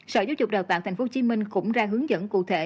sở giáo dục đào tạo tp hcm cũng ra hướng dẫn cụ thể